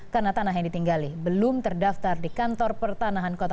karena tanah yang ditinggali belum terdaftar di kantor pertanahan kota